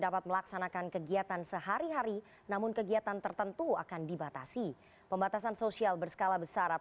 pembatasan sosial berskala besar